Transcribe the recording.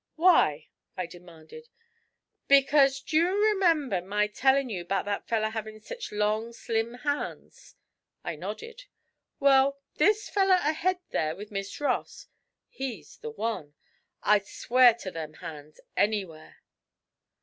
'Why?' I demanded. 'Because, d'ye remember my tellin' you 'bout that feller havin' sech long slim hands?' I nodded. 'Well, this feller ahead there with Miss Ross he's the one. I'd swear to them hands anywhere.'